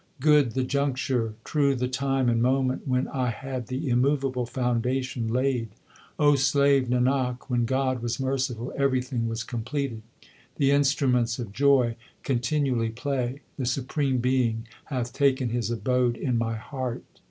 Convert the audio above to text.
Good the juncture, true the time and moment when I had the immovable foundation laid. O slave Nanak, when God was merciful everything was completed. The instruments of joy continually play ; the supreme Being hath taken His abode in my heart.